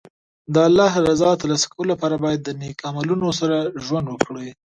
د الله رضا ترلاسه کولو لپاره باید د نېک عملونو سره ژوند وکړي.